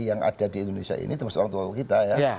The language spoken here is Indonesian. yang ada di indonesia ini termasuk orang tua kita ya